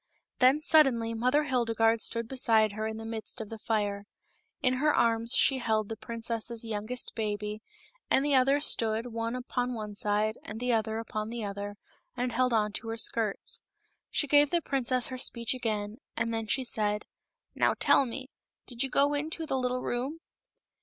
Then suddenly Mother Hildegarde stood beside her in the midst of the fire. In her arms she held the princess's youngest baby, and the others stood, one upon one side and the other upon the other, and held on to her skirts. She gave the princess her speech again, and then she said, " Now, tell me, did you go into the little room